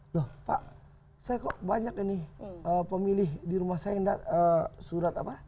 loh pak saya kok banyak nih pemilih di rumah saya yang surat apa